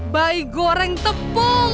bayi goreng tepung